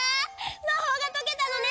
まほうがとけたのね！